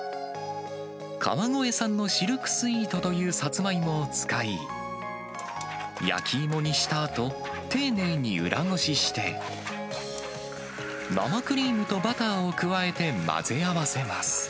川越産のシルクスイートというサツマイモを使い、焼き芋にしたあと、丁寧に裏ごしして、生クリームとバターを加えて混ぜ合わせます。